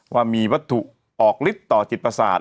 ว่ามีวัตถุออกฤทธิ์ต่อจิตประสาท